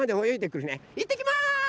いってきます！